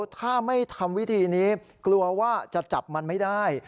ถ้าไม่ทำวิธีนี้กลัวว่าจะจับมันไม่ได้